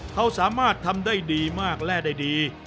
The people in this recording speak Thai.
เขาสามารถทำได้ดีมากและได้ดี